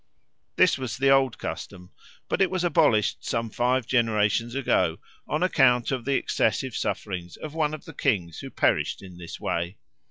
This was the old custom, but it was abolished some five generations ago on account of the excessive sufferings of one of the kings who perished in this way.